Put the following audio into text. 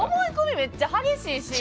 めっちゃ激しいし。